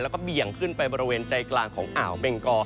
แล้วก็เบี่ยงขึ้นไปบริเวณใจกลางของอ่าวเบงกอ